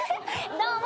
どうも！